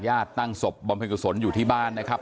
ยากตั้งศพบำพลังกว่าสนอยู่ที่บ้านนะครับ